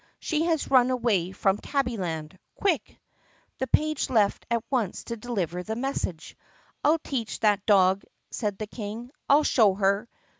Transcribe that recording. She has run away from Tabbyland! Quick!" The page left at once to deliver the message. "I 'll teach that dog!" said the King. "I 'll show her!"